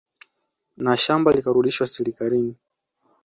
Na shamba likarudishwa serikalini